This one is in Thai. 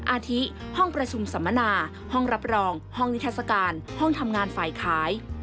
อาทิห้องประชุมสัมมนาห้องรับรองห้องนิทัศกาลห้องทำงานฝ่ายขาย